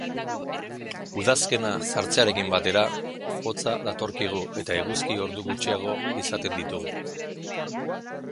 Udazkena sartzearekin batera, hotza datorkigu eta eguzki ordu gutxiago izaten ditugu.